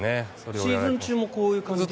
シーズン中もこういうのを。